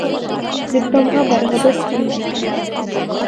Детдомға барғыбыҙ килмәй.